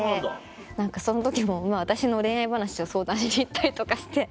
何かその時も私の恋愛話を相談に行ったりとかして。